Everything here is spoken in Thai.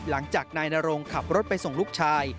หลังจากนายนรงขับรถไปส่งลูกชาย